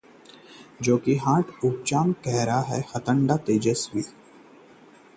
जोकीहाट उपचुनाव जीतने के लिए नीतीश अपना रहे हैं हर हथकंडा: तेजस्वी